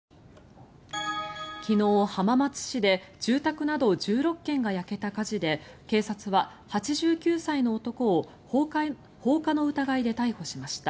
昨日、浜松市で住宅など１６軒が焼けた火事で警察は８９歳の男を放火の疑いで逮捕しました。